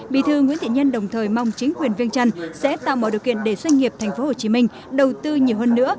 bí thư nguyễn thiện nhân đồng thời mong chính quyền viêng trăn sẽ tạo mọi điều kiện để doanh nghiệp tp hcm đầu tư nhiều hơn nữa